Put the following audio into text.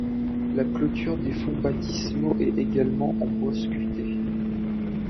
La clôture des fonts baptismaux est également en bois sculpté.